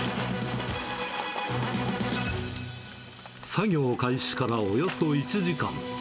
作業開始からおよそ１時間。